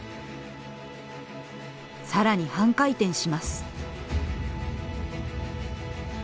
更に半回転します。